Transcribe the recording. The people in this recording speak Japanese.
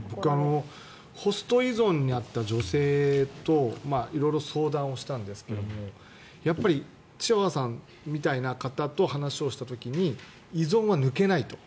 ホスト依存になった女性と色々相談をしたんですがやっぱりチワワさんみたいな方と話をした時異存は抜けないと。